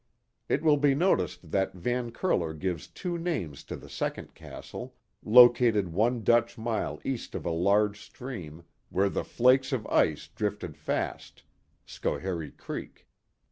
It will be noticed that Van Curler gives two names to the second Castle, located one Dutch mile east of a large stream, where the flakes of ice drifted fast " (Schoharie Creek).